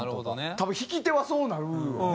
多分弾き手はそうなるよね。